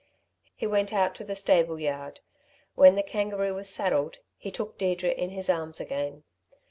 He went out to the stable yard. When the Kangaroo was saddled, he took Deirdre in his arms again.